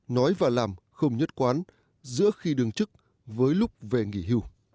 nói và làm không nhất quán giữa khi đường chức với lúc về nghỉ hưu